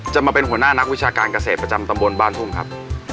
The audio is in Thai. มาเป็นหัวหน้านักวิชาการเกษตรประจำตำบลบ้านทุ่มครับ